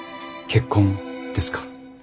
結婚ですか？